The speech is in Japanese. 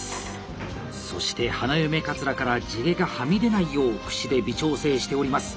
そして花嫁かつらから地毛がはみ出ないようくしで微調整しております。